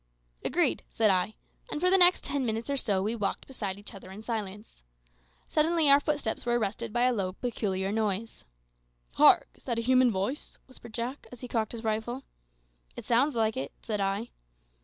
"Agreed," said I; and for the next ten minutes or so we walked beside each other in silence. Suddenly our footsteps were arrested by a low peculiar noise. "Hark! is that a human voice?" whispered Jack, as he cocked his rifle. "It sounds like it," said I.